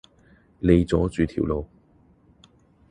你阻住條路